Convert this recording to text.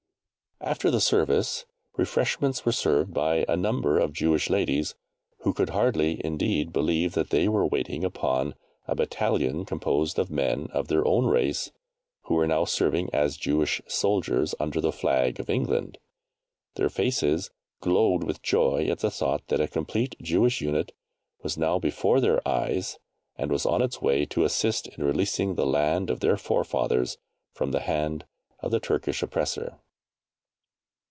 After the service, refreshments were served by a number of Jewish ladies, who could hardly indeed believe that they were waiting upon a Battalion, composed of men of their own race, who were now serving as Jewish soldiers under the flag of England. Their faces glowed with joy at the thought that a complete Jewish unit was now before their eyes, and was on its way to assist in releasing the land of their forefathers from the hand of the Turkish oppressor.